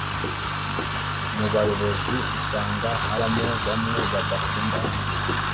Mubayobozi usanga habamo bamwe badakunda